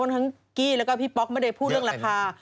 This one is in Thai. ทั้งกี้แล้วก็พี่ป๊อกไม่ได้พูดเรื่องราคา